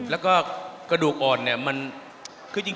และกกดูกอ่อนเนี่ย